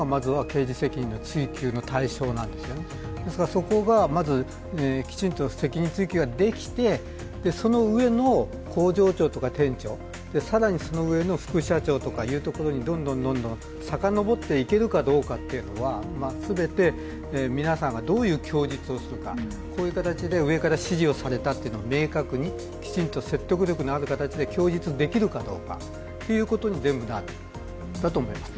そこがまずきちんと責任追及ができて、その上の工場長とか店長、更にその上の副社長とかというところにどんどんさかのぼっていけるかどうかというのは全て皆さんがどういう供述をするか、こういう形で上から指示されたというのが明確に、きちんと説得力のある形で供述できるかどうかに全部なると思います。